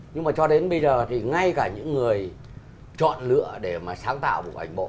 nhưng mà cho đến bây giờ thì ngay cả những người chọn lựa để mà sáng tạo bộ ảnh bộ